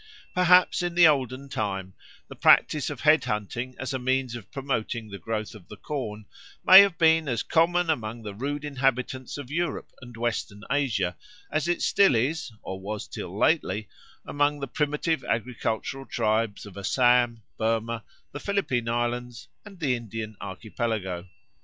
Perhaps in the olden time the practice of head hunting as a means of promoting the growth of the corn may have been as common among the rude inhabitants of Europe and Western Asia as it still is, or was till lately, among the primitive agricultural tribes of Assam, Burma, the Philippine Islands, and the Indian Archipelago.